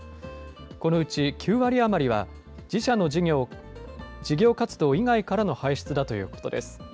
このうち、９割余りは自社の事業活動以外からの排出だということです。